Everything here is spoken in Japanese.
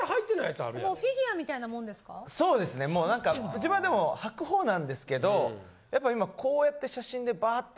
もうなんか自分はでも履くほうなんですけどやっぱ今こうやって写真でバーッと。